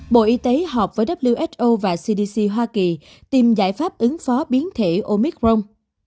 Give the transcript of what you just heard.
bộ y tế họp với who và cdc hoa kỳ tìm giải pháp ứng phó biến thể omicron